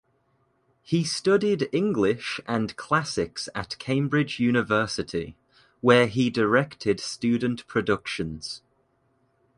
He studied English and classics at Cambridge University, where he directed student productions.